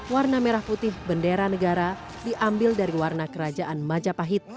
warna merah putih bendera negara diambil dari warna kerajaan majapahit